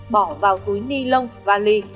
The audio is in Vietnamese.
bỏ vào túi ni lông vali